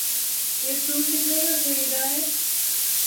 یہ سوٹ کتنے کا خریدا ہے؟